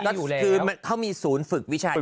ก็คือเขามีศูนย์ฝึกวิชาอยู่